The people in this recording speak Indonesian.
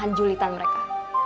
nahan julitan mereka